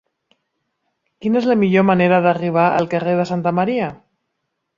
Quina és la millor manera d'arribar al carrer de Santa Maria?